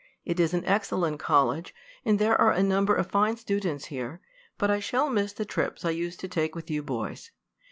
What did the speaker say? It is an excellent college, and there are a number of fine students here, but I shall miss the trips I used to take with you boys.